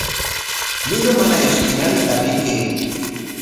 Llullu mana ishkinanta rikay.